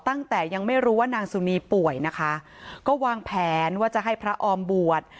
ยังไม่รู้ว่านางสุนีป่วยนะคะก็วางแผนว่าจะให้พระออมบวช